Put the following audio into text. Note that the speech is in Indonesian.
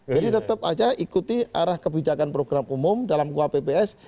jadi tetap saja ikuti arah kebijakan program umum dalam kuah pps